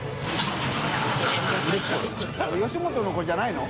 吉本の子じゃないの？